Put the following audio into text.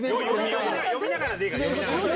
読みながらでいいから。